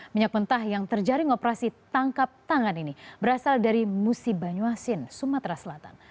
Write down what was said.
minyak mentah yang terjaring operasi tangkap tangan ini berasal dari musi banyuasin sumatera selatan